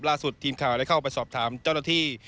ล่าสุดทีมข่าวได้เข้าไปสอบถามเจ้าหน้าที่